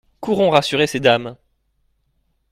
Courons rassurer ces dames.